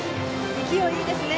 勢い、いいですね！